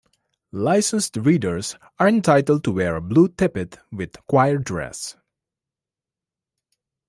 Licensed Readers are entitled to wear a blue tippet with choir dress.